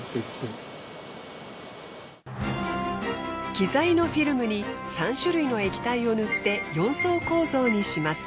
基材のフィルムに３種類の液体を塗って４層構造にします。